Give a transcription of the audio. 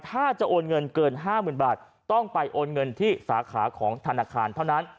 ถ้าจะโอนเงินเกิน๕๐๐๐บาทต้องไปโอนเงินที่สาขาของธนาคารเท่านั้น